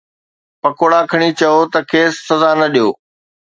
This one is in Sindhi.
پڪوڙا کڻي چئو ته کيس سزا نه ڏيو